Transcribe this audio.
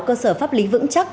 cơ sở pháp lý vững chắc